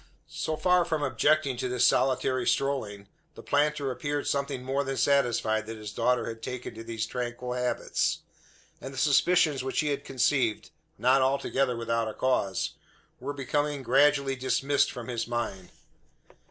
So far from objecting to this solitary strolling, the planter appeared something more than satisfied that his daughter had taken to these tranquil habits; and the suspicions which he had conceived not altogether without a cause were becoming gradually dismissed from his mind.